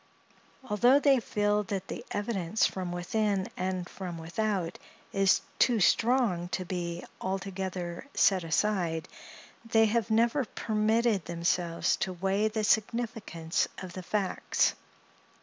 Although they feel that the evidence from within and from without is too strong to be altogether set aside, they have never permitted themselves to weigh the significance of the facts.